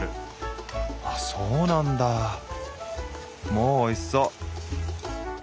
もうおいしそう！